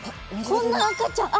こんな赤ちゃん。